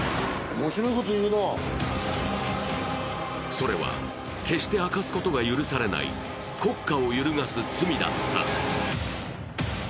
それは決して明かすことが許されない国家を揺るがす罪だった。